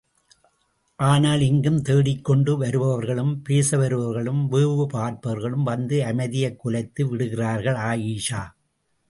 ஆனால் இங்கும் தேடிக்கொண்டு வருபவர்களும், பேச வருபவர்களும், வேவு பார்ப்பவர்களும் வந்து அமைதியைக் குலைத்து விடுகிறார்கள் ஆயீஷா!